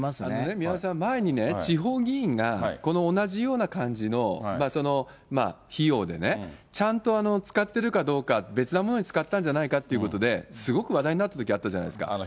宮根さん、前にね、地方議員が、この同じような感じの費用でね、ちゃんと使ってるかどうか、別なものに使ったんじゃないかということで、すごく話題になったときあったじゃないですか。